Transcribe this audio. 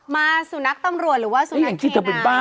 มาสูญนักตำรวจหรือว่าสูญนักเครนา